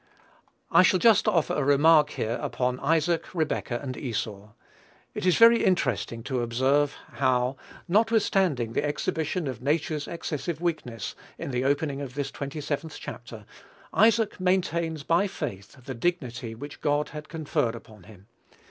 I shall just offer a remark here upon Isaac, Rebekah, and Esau. It is very interesting to observe how, notwithstanding the exhibition of nature's excessive weakness, in the opening of this 27th chapter, Isaac maintains by faith the dignity which God had conferred upon him.